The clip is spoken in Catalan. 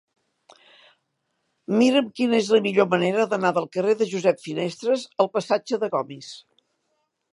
Mira'm quina és la millor manera d'anar del carrer de Josep Finestres al passatge de Gomis.